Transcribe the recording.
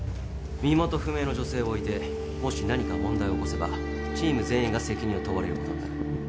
・身元不明の女性を置いてもし何か問題を起こせばチーム全員が責任を問われることになる。